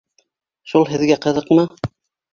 Шул һеҙгә ҡыҙыҡмы?